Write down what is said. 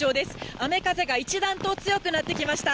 雨風が一段と強くなってきました。